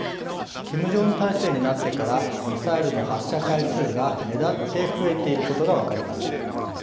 キム・ジョンウン体制になってからミサイルの発射回数が目立って増えていることが分かります。